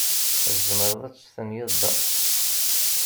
Tzemreḍ ad testenyiḍ da?